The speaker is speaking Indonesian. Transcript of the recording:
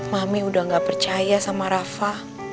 mami udah gak percaya sama rafa